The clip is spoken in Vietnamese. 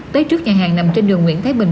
tới trước nhà hàng nằm trên đường nguyễn thái bình